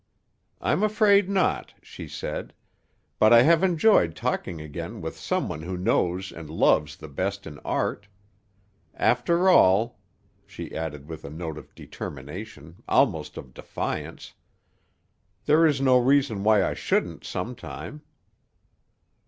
"I'm afraid not," she said. "But I have enjoyed talking again with some one who knows and loves the best in art. After all," she added with a note of determination, almost of defiance, "there is no reason why I shouldn't sometime."